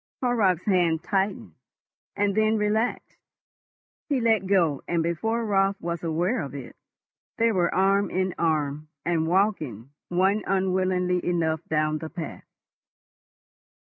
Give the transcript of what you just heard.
Horrocks' hand tightened and then relaxed. He let go, and before Raut was aware of it, they were arm in arm, and walking, one unwillingly enough, down the path.